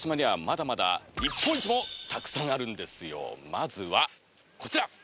まずはこちら！